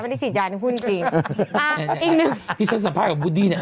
ไม่ได้ฉีดยาน่ะพูดจริงอ่ะอีกหนึ่งที่ฉันสามารถกับบูดี้เนี้ย